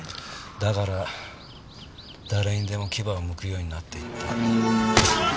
だから誰にでも牙をむくようになっていった。